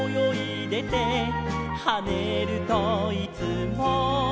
「はねるといつも」